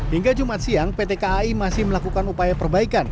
hingga jumat siang pt kai masih melakukan upaya perbaikan